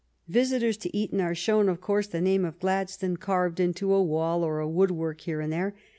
Visitors to Eton are shown, of course, the name of Gladstone carved into a wall or a woodwork here and there.